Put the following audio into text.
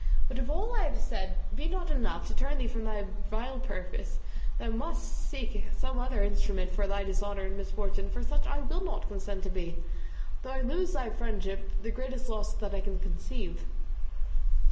But if all I have said be not enough to turn thee from thy vile purpose, thou must seek some other instrument for thy dishonour and misfortune; for such I will not consent to be, though I lose thy friendship, the greatest loss that I can conceive."